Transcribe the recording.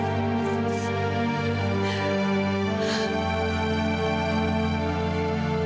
jalanuralhk harbor melihat muncung aadd slightly jelas dan melit ensuite jalan raya tinggi